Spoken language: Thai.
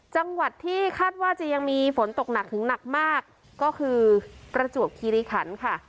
จังหวัดที่คาดว่าจะยังมีฝนตกหนักถึงหนักมากก็คือประจวบคีริขันค่ะ